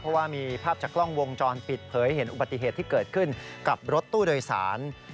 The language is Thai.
เพราะว่ามีภาพจากกล้องวงจรปิดเผยเห็นอุบัติเหตุที่เกิดขึ้นกับรถตู้โดยสาร